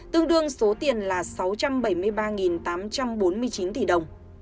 tương đương số tiền là sáu trăm bảy mươi ba tám trăm bốn mươi chín tỷ đồng